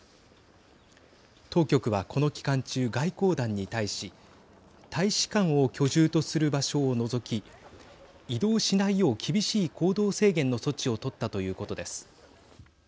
当局はこの期間中、外交団に対し大使館を居住とする場所を除き移動しないよう厳しい行動制限の措置を取ったということです。